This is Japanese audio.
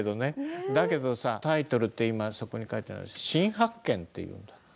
だけどさタイトルってそこに書いてある「新発見」っていうんだって。